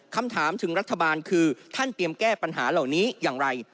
คำถามถึงรัฐบาลคือท่านเตรียมแก้ปัญหาเหล่านี้อย่างไร